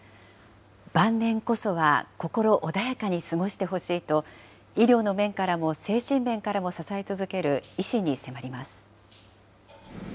晩年こそは心穏やかに過ごしてほしいと、医療の面からも精神面からも支え続ける医師に迫ります。